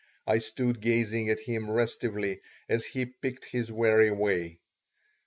I stood gazing at him restively as he picked his weary way.